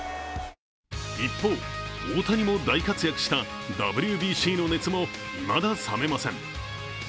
一方、大谷も大活躍したＷＢＣの熱もいまだ冷めません。